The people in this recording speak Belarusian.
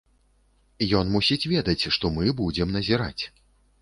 Ён мусіць ведаць, што мы будзем назіраць.